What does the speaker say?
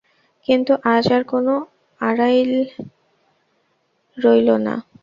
কিন্তু আজ আর কোনো আড়ালই রইল না।